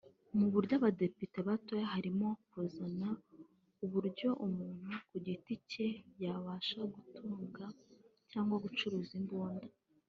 Mu byo abadepite batoye harimo gukaza uburyo umuntu ku giti cye yabasha gutunga cyangwa gucuruza imbunda